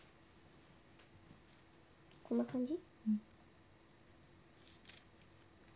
こんな感じ？